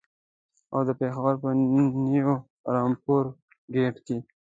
او د پېښور په نیو رمپوره ګېټ کې.